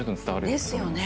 ですよね。